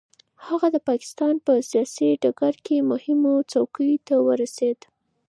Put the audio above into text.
هغه د پاکستان په سیاسي ډګر کې مهمو څوکیو ته ورسېد.